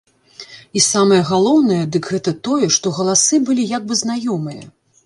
І самае галоўнае, дык гэта тое, што галасы былі як бы знаёмыя.